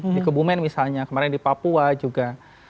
di kebumen misalnya kemarin di papua juga